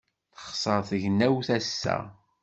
Texṣer tegnewt ass-a.